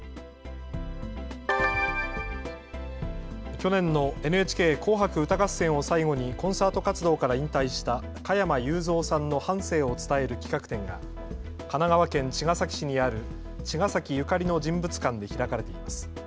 去年のＮＨＫ紅白歌合戦を最後にコンサート活動から引退した加山雄三さんの半生を伝える企画展が神奈川県茅ヶ崎市にある茅ヶ崎ゆかりの人物館で開かれています。